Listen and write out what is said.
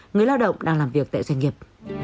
người lao động đang làm việc tại doanh nghiệp